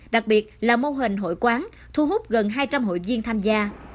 đặc biệt là mô hình hội quán thu hút gần hai trăm linh hội viên tham gia